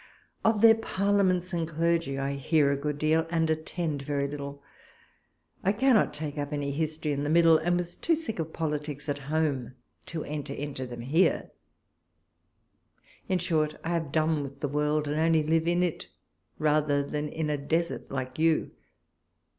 Of their parliaments and clergy I hear a good 118 walpole's letters. deal, and attend very little: I cannot take up any history in the middle, and was too sick of politics at home to enter into them here. In short, I have done with the world, and live in it rather than in a desert, like you.